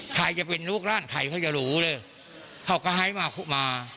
ใครจะเป็นลูกร่างใครเขาจะรู้เลยเขาก็ให้มามา